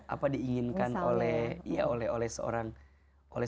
apa diinginkan oleh